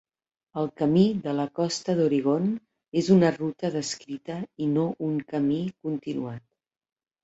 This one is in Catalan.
El Camí de la Costa d'Oregon és una ruta descrita i no un camí continuat.